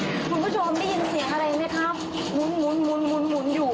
คุณผู้ชมได้ยินเสียงอะไรไหมครับหมุนหมุนอยู่